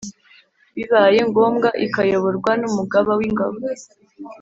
bibaye ngombwa ikayoborwa n Umugaba w’ ingabo